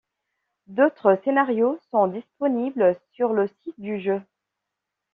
D'autres scénarios sont disponibles sur le site du jeu.